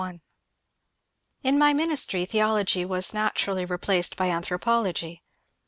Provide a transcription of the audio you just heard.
In my ministry Theology was naturally replaced by Anthro pology.